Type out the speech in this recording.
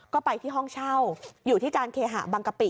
ก็ไปที่ห้องเช่าอยู่ที่การเคหะบางกะปิ